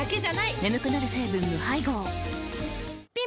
眠くなる成分無配合ぴん